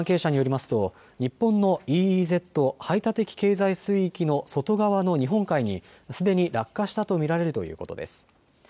防衛省関係者によりますと日本のＥＥＺ・排他的経済水域の外側の日本海にすでに落下したと見られるということです。